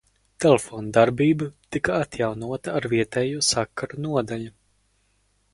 Telefona darbība tika atjaunota ar vietējo sakaru nodaļu.